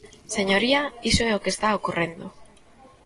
Señoría, iso é o que está ocorrendo.